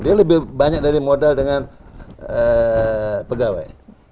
dia lebih banyak dari modal dengan pegawai